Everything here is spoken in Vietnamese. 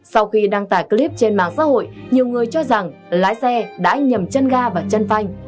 sau khi đăng tải clip trên mạng xã hội nhiều người cho rằng lái xe đã nhầm chân ga và chân phanh